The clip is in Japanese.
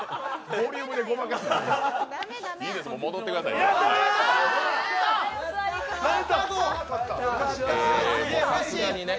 ボリュームでごまかすな。